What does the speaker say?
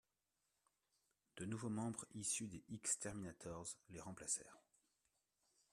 De nouveaux membres issus des X-Terminators les remplacèrent.